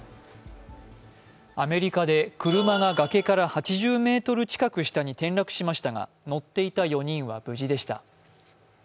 アメリカで車が崖から８０ｍ近く下に転落しましたが乗っていた４人は無事でした。